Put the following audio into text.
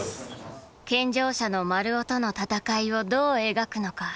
健常者の丸尾との戦いをどう描くのか。